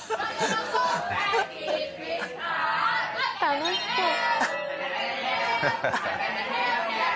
楽しそう。